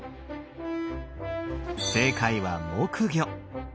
正解は木魚。